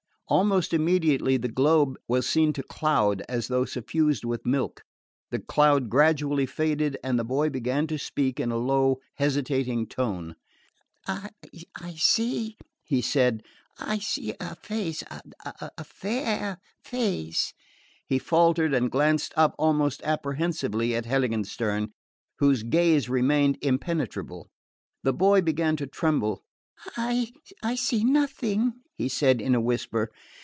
Almost immediately the globe was seen to cloud, as though suffused with milk; the cloud gradually faded and the boy began to speak in a low hesitating tone. "I see," he said, "I see a face...a fair face..." He faltered and glanced up almost apprehensively at Heiligenstern, whose gaze remained impenetrable. The boy began to tremble. "I see nothing," he said in a whisper.